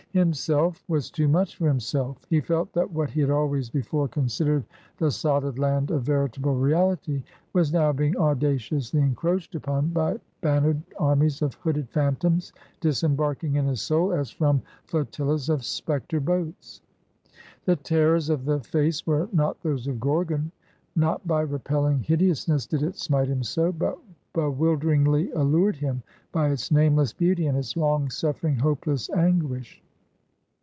Himself was too much for himself. He felt that what he had always before considered the solid land of veritable reality, was now being audaciously encroached upon by bannered armies of hooded phantoms, disembarking in his soul, as from flotillas of specter boats. The terrors of the face were not those of Gorgon; not by repelling hideousness did it smite him so; but bewilderingly allured him, by its nameless beauty, and its long suffering, hopeless anguish.